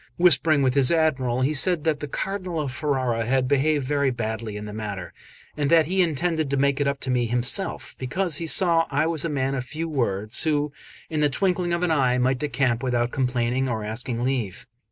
Whispering with his Admiral, he said that the Cardinal of Ferrara had behaved very badly in the matter; and that he intended to make it up to me himself, because he saw I was a man of few words, who in the twinkling of an eye might decamp without complaining or asking leave.